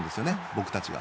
僕たちが。